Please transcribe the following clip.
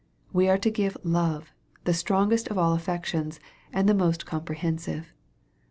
We are to give love, the strongest of all affections, and the most comprehensive.